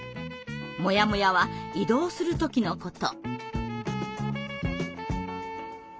モヤモヤは移動する時のこと。